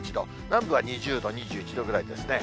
南部は２０度、２１度ぐらいですね。